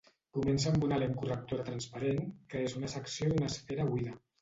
Comença amb una lent correctora transparent que és una secció d'una esfera buida.